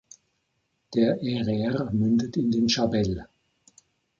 Der Erer mündet in den Shabelle.